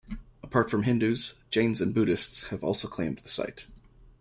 Apart from Hindus, Jains and Buddhists have also claimed the site.